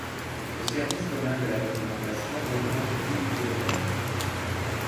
Le service commun de la documentation regroupe dix bibliothèques.